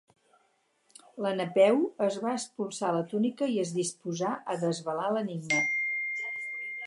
La Napeu es va espolsar la túnica i es disposà a desvelar l'enigma.